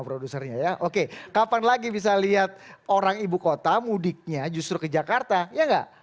produsernya ya oke kapan lagi bisa lihat orang ibu kota mudiknya justru ke jakarta ya enggak